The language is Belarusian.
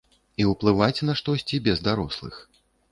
І ўплываць на штосьці без дарослых.